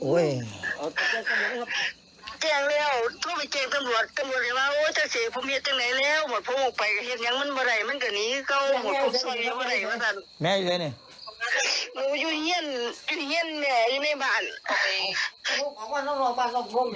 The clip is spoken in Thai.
แม่อยู่ไหนอ้ออยู่เฮียนแม่อยู่ในบ้าน